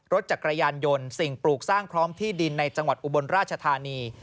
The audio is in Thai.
รถจักรยานยนต์สิ่งปลูกสร้างพร้อมที่ดินในจังหวัดอุบลราชธานี